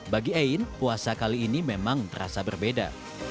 bagi ain puasa kali ini memang terasa berbeda